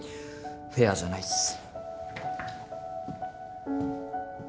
フェアじゃないっす。